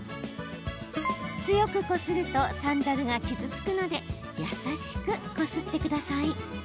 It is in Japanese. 強くこするとサンダルが傷つくので優しくこすってください。